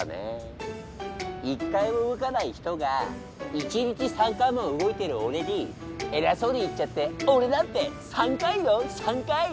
一回も動かない人が一日３回も動いてるオレに偉そうに言っちゃってオレなんて３回よ３回。